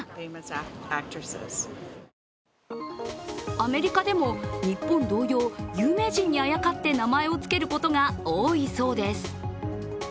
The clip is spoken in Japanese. アメリカでも日本同様、有名人にあやかって名前をつけることが多いそうです。